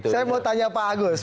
saya mau tanya pak agus